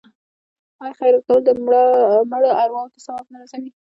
آیا خیرات کول د مړو ارواو ته ثواب نه رسوي؟